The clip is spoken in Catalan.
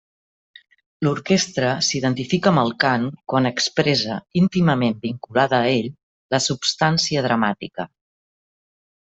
L'orquestra s'identifica amb el cant quan expressa, íntimament vinculada a ell, la substància dramàtica.